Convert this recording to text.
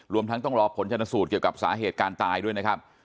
รวมทั้งต้องรอผลชนสูตรเกี่ยวกับสาเหตุการณ์ตายด้วยนะครับ